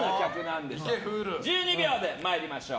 １２秒で参りましょう。